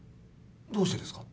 どうしてですか？